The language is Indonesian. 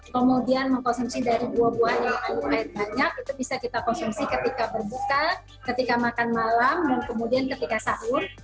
kemudian mengkonsumsi dari buah buahan yaitu air banyak itu bisa kita konsumsi ketika berbuka ketika makan malam dan kemudian ketika sahur